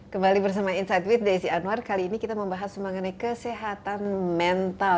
kembali bersama insight with desi anwar kali ini kita membahas mengenai kesehatan mental